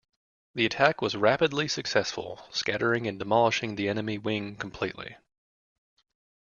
The attack was rapidly successful, scattering and demolishing the enemy wing completely.